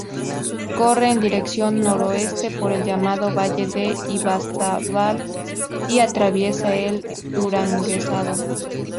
Corre en dirección noroeste por el llamado Valle del Ibaizábal y atraviesa el Duranguesado.